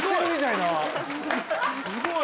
すごい！